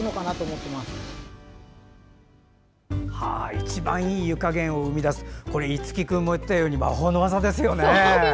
一番いい湯加減を生み出す一喜君も言っていたように魔法の技ですね。